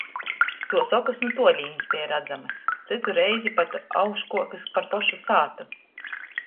Tuos okys nu tuolīnis beja radzamys, cytu reiz pat auškuokys par pošu sātu.